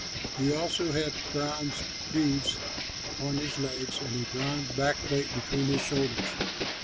He also had bronze greaves upon his legs and a bronze back plate between his shoulders.